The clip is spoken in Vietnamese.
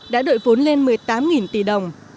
đã đội vốn lên một mươi tám tỷ đồng